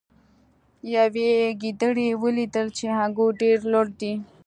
یوې ګیدړې ولیدل چې انګور ډیر لوړ دي.